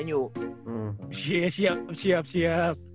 iya siap siap siap